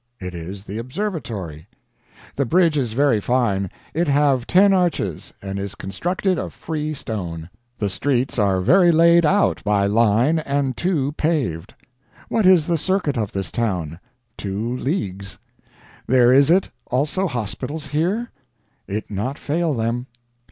It is the Observatory. The bridge is very fine, it have ten arches, and is constructed of free stone. The streets are very layed out by line and too paved. What is the circuit of this town? Two leagues. There is it also hospitals here? It not fail them.